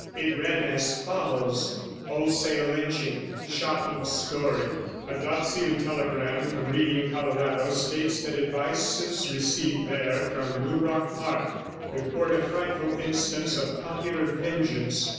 It ran as follows:— WHOLESALE LYNCHING SHOCKING STORY 'A Dalziel telegram from Reading (Colorado) states that advices received there from Blue Rock Park report a frightful instance of popular vengeance.